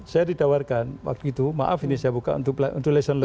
saya didawarkan waktu itu maaf ini saya buka untuk lesson learn ya